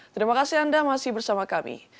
terima kasih anda masih bersama kami